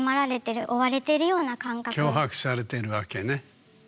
脅迫されているわけね。